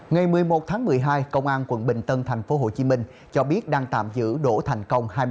ngày một mươi một tháng một mươi hai công an quận bình tân tp hcm cho biết đang tạm giữ đỗ thành công